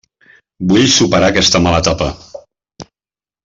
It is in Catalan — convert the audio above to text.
Vull superar aquesta mala etapa.